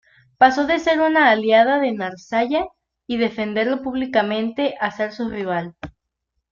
Pasó de ser una "aliada" de Nasralla y defenderlo públicamente a ser su rival.